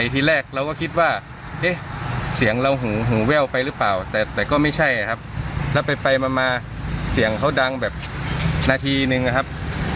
ทีแรกเราก็คิดว่าเอ๊ะเสียงเราหูแว่วไปหรือเปล่าแต่ก็ไม่ใช่ครับแล้วไปมาเสียงเขาดังแบบนาทีนึงนะครับ